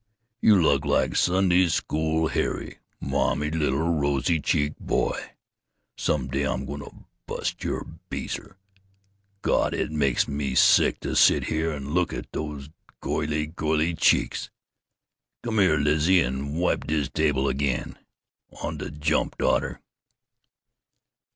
You look like Sunday school Harry. Mamma's little rosy cheeked boy.... Some day I'm going to bust your beezer. Gawd! it makes me sick to sit here and look at dose goily goily cheeks.... Come 'ere, Lizzie, an' wipe dis table again. On de jump, daughter."